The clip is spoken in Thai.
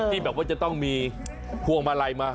ที่แบบว่าจะต้องมีพวงมาลัยมา